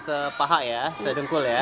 se paha ya se dengkul ya